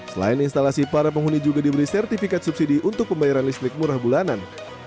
selain instalasi para penghuni juga diberi sertifikat subsidi untuk pembayaran listrik murah bulanan